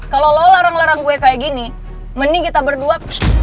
kalau lo larang larang gue kayak gini mending kita berdua